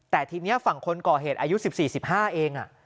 แต่ทีนี้ฝั่งคนก่อเหตุอายุ๑๔๑๕เอง